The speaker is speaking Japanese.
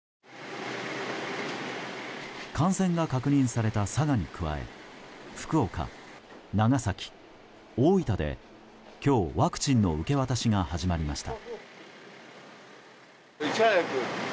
感染が確認された佐賀に加え福岡、長崎、大分で今日、ワクチンの受け渡しが始まりました。